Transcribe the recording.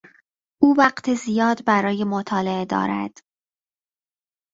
او وقت زیاد برای مطالعه دارد.